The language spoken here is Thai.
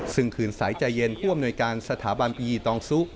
ซึ่งคืนสายใจเย็นผู้อำนวยการสถาบันอียีตองซุ